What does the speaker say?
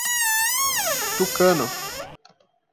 Tucano